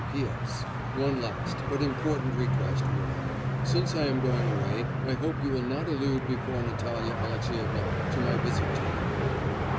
'P.P.S. One last, but important request more; since I am going away, I hope you will not allude before Natalya Alexyevna to my visit to you.